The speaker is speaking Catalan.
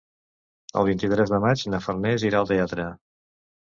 El vint-i-tres de maig na Farners irà al teatre.